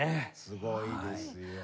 すごいですよ。